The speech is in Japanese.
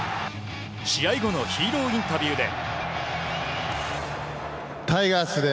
試合後のヒーローインタビューで。